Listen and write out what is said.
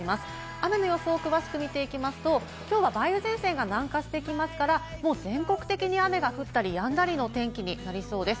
雨の予想を詳しく見ていきますと、きょうは梅雨前線が南下してきますから、もう全国的に雨が降ったりやんだりの天気になりそうです。